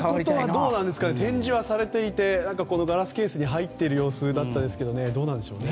展示はされていてガラスケースに入っている様子だったんですけどどうですかね。